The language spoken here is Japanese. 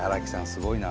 すごいな。